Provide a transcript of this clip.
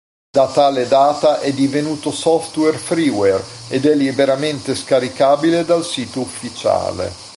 Da tale data è divenuto software freeware, ed è liberamente scaricabile dal sito ufficiale.